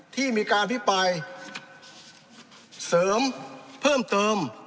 ที่มีการอภิปรายเสริมเพิ่มเติม